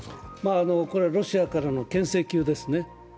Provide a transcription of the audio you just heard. これはロシアからのけん制球ですね。